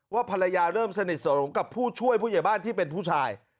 ภรรยาเริ่มสนิทสนมกับผู้ช่วยผู้ใหญ่บ้านที่เป็นผู้ชาย